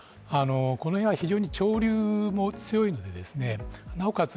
この辺は非常に潮流も強いのでですね、なおかつ